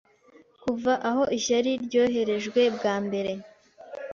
Kuva aho ishyari ryoherejwe bwa mbere